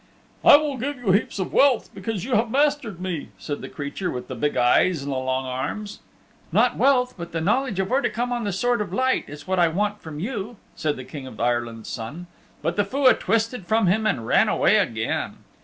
"I will give you heaps of wealth because you have mastered me," said the creature with the big eyes and the long arms. "Not wealth, but the knowledge of where to come on the Sword of Light is what I want from you," said the King of Ireland's Son. But the Fua twisted from him and ran away again.